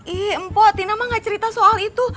ih mpo tina mah gak cerita soal itu